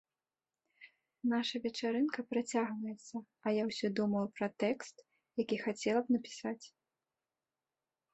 Наша вечарынка працягваецца, а я ўсё думаю пра тэкст, які хацела б напісаць.